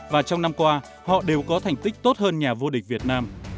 và trong năm qua họ đều có thành tích tốt hơn nhà vô địch việt nam